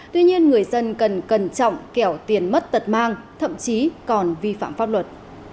tuy nhiên người dân cần cẩn trọng kẻo tiền mất tật mang thậm chí còn vi phạm pháp luật